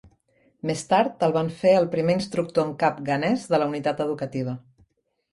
Més tard el van fer el primer instructor en cap ghanès de la Unitat Educativa.